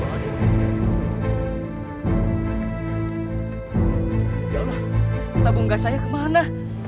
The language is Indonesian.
allah ya allah tabung gas saya kemana